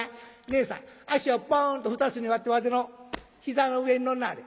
『ねえさん脚をポンと２つに割ってわての膝の上に乗んなはれ。